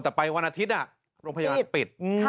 แต่ไปวันอาทิตย์โรงพยาบาลปิด